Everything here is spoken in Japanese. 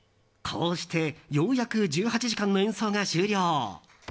こうしてようやく１８時間の演奏が終了。